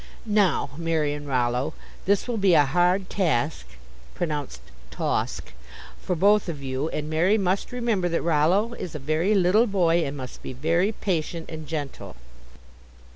Now, Mary and Rollo, this will be a hard task (pronounced tawsk) for both of you, and Mary must remember that Rollo is a very little boy, and must be very patient and gentle."